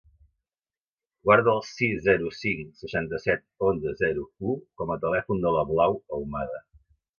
Guarda el sis, zero, cinc, seixanta-set, onze, zero, u com a telèfon de la Blau Ahumada.